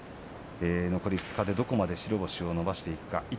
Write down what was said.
残り２日でどこまで白星を伸ばしていくか一